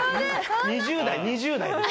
２０代２０代です。